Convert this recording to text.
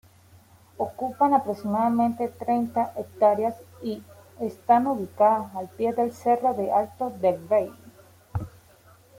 Ocupan aproximadamente treinta hectáreas y están ubicadas al pie del cerro Alto del Rey.